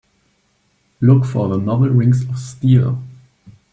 Look for the novel Rings of Steel